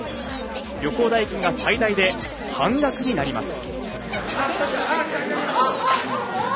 旅行代金が最大で半額になります。